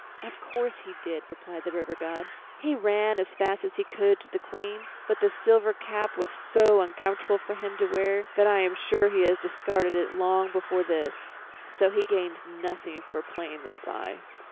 "Of course he did," replied the River God. "He ran as fast as he could to the Queen, but the silver cap was so uncomfortable for him to wear that I am sure he has discarded it long before this. So he gained nothing for playing the spy."